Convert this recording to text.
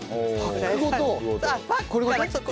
これごと？